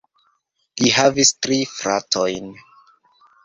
Li havis tri fratojn.